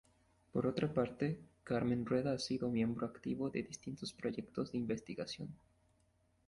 Por otra parte, Carmen Rueda ha sido miembro activo de distintos proyectos de investigación.